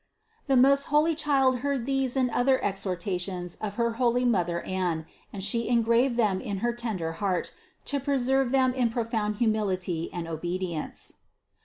398. The most holy Child heard these and other ex hortations of her holy mother Anne, and She engraved them in her tender heart to preserve them in profound humility and obedience.